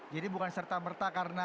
jadi bukan serta merta karena